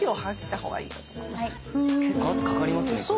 結構圧かかりますねこれ。